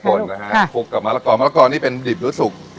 คนนะฮะคลุกกับมะละกอมะละกอนี่เป็นดิบหรือสุก